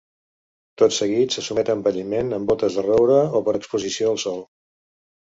Tot seguit, se sotmet a envelliment en bótes de roure o per exposició al sol.